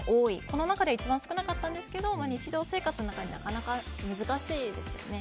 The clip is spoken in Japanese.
この中では一番少ないですが日常生活の中ではなかなか難しいですよね。